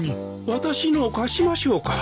私のを貸しましょうか？